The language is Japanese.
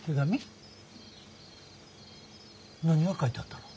何が書いてあったの？